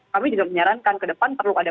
kami juga menyarankan ke depan perlu ada